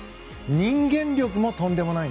人間力もとんでもない。